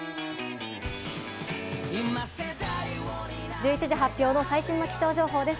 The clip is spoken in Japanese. １１時発表の最新の気象情報です。